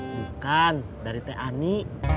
bukan dari teh ani